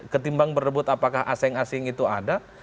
ketimbang berdebut apakah asing asing itu ada